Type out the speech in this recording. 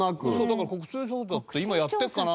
だから「国勢調査って今やってるかな？」